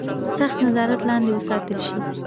سخت نظارت لاندې وساتل شي.